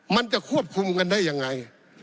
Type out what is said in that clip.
มันจะควบคุมกันได้ยังไง